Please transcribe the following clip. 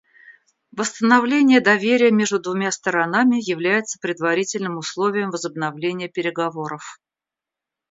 Восстановление доверия между двумя сторонами является предварительным условием возобновления переговоров.